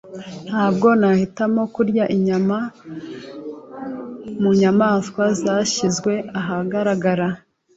Ntabwo nahitamo kurya inyama ziva mu nyamaswa zashyizwe ahagaragara.